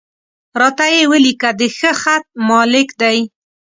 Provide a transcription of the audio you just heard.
را ته یې ولیکه، د ښه خط مالک دی.